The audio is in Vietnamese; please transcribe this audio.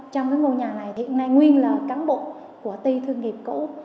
trong ngôi nhà này hiện nay nguyên là cán bộ của ti thương nghiệp cũ